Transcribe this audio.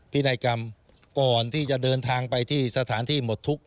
นัยกรรมก่อนที่จะเดินทางไปที่สถานที่หมดทุกข์